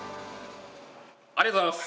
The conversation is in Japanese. おめでとうございます。